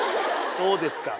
どうですか？